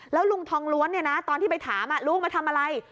แล้วลุงทองล้วนเนี้ยนะตอนที่ไปถามอ่ะลูกมาทำอะไร